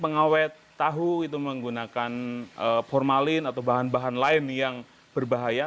pengawet tahu itu menggunakan formalin atau bahan bahan lain yang berbahaya